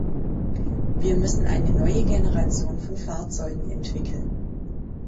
Wir müssen eine neue Generation von Fahrzeugen entwickeln.